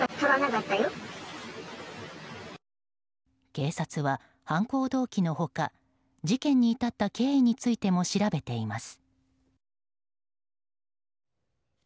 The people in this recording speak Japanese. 警察は、犯行動機の他事件に至った経緯についても調べています。